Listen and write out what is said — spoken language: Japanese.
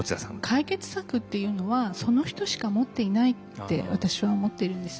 解決策っていうのはその人しか持っていないって私は思っているんですね。